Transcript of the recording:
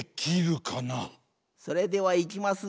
それではいきますぞ。